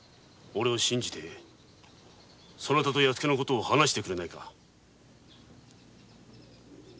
オレを信じてそなたと弥助の事を話してくれないか？